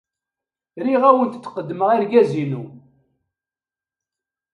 Riɣ ad awent-d-qeddmeɣ argaz-inu.